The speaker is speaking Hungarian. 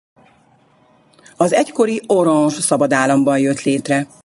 Az egykori Oranje Szabadállamból jött létre.